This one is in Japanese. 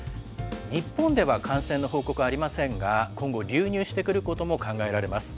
日本では感染の報告はありませんが、今後、流入してくることも考えられます。